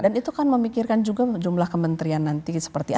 dan itu kan memikirkan juga jumlah kementerian nanti seperti apa